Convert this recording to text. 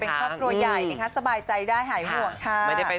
ไปกันเป็นครอบครัวใหญ่สบายใจได้หายห่วงค่ะ